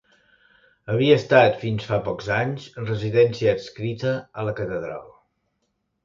Havia estat fins fa pocs anys residència adscrita a la Catedral.